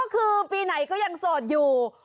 ก็คือปีไหนก็ยังสูตรอยู่